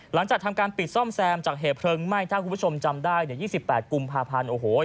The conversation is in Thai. หลังจากทำการปิดซ่อมแซมจากเหตุเพลิงไหม้ถ้าคุณผู้ชมจำได้เนี่ย๒๘กุมภาพันธ์โอ้โห